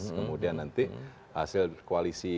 kemudian nanti hasil koalisi